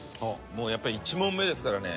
もうやっぱり１問目ですからね。